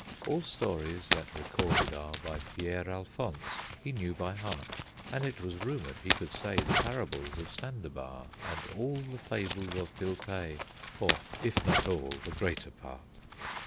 All stories that recorded are By Pierre Alphonse he knew by heart, And it was rumored he could say The Parables of Sandabar, And all the Fables of Pilpay, Or if not all, the greater part!